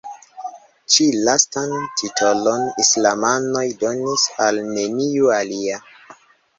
Ĉi-lastan titolon islamanoj donis al neniu alia.